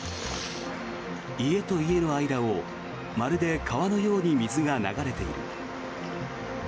家と家の間をまるで川のように水が流れている。